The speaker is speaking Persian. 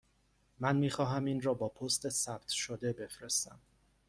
من می خواهم این را با پست ثبت شده بفرستم.